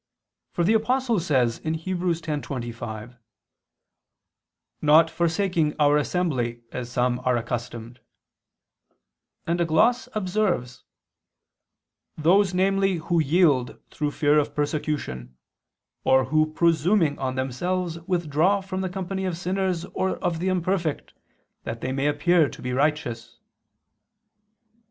For the Apostle says (Heb. 10:25): "Not forsaking our assembly, as some are accustomed"; and a gloss observes: "Those namely who yield through fear of persecution, or who presuming on themselves withdraw from the company of sinners or of the imperfect, that they may appear to be righteous."